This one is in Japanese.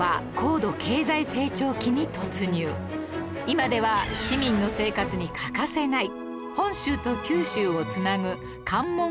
今では市民の生活に欠かせない本州と九州を繋ぐ関門